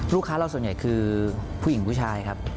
เราส่วนใหญ่คือผู้หญิงผู้ชายครับ